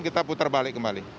kita putar balik kembali